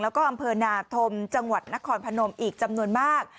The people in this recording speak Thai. แล้วก็อำเภอนาธมจังหวัดนครพนมอีกจำนวนมาก